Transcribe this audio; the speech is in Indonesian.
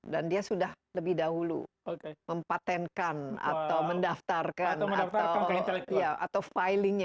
dan dia sudah lebih dahulu mempatentkan atau mendaftarkan atau filingnya